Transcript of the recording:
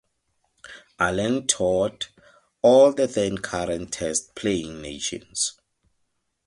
Allen toured all the then-current Test-playing nations.